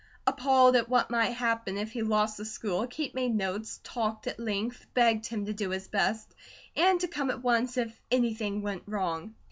Appalled at what might happen if he lost the school, Kate made notes, talked at length, begged him to do his best, and to come at once if anything went wrong.